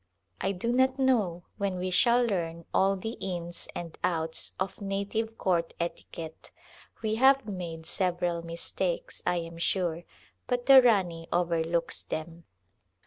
I do not know when we shall learn all the " ins and outs " of native court etiquette ; we have made several mistakes, I am sure, but the Rani overlooks them.